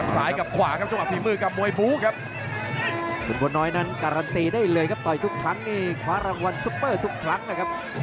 สายหลังกลับฝีมือกับมวยบูครับ